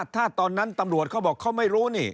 ถ้าตอนนั้นตำรวจเขาบอกเขาไม่รู้นี่